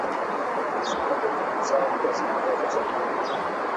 সেখান থেকে Musa al Kazim ইরাকে চলে যান।